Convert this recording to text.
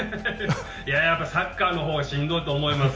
やっぱりサッカーの方がしんどいと思います。